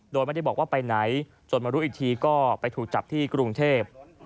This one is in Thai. โดยไม่ได้บอกว่าไปไหนจนมารู้อีกทีก็ไปถูกจับที่กรุงเทพ